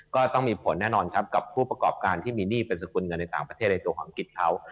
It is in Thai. ก็ต้องมีผลแน่นอนครับกับผู้ประกอบการที่มีหนี้เป็นสกุลเงินในต่างประเทศในตัวของอังกฤษเขา